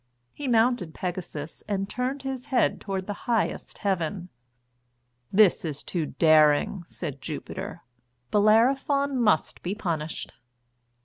He mounted Pegasus and turned his head toward the highest heaven. "This is too great daring," said Jupiter; "Bellerophon must be punished."